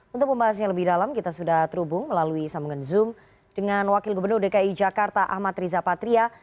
untuk pembahas yang lebih dalam kita sudah terhubung melalui sambungan zoom dengan wakil gubernur dki jakarta ahmad riza patria